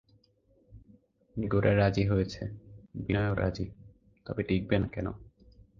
গোরা রাজি হয়েছে, বিনয়ও রাজি, তবে টিঁকবে না কেন?